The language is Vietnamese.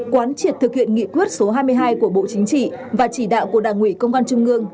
quán triệt thực hiện nghị quyết số hai mươi hai của bộ chính trị và chỉ đạo của đảng ủy công an trung ương